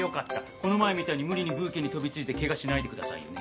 この前みたいに無理にブーケに飛びついてケガしないでくださいよね。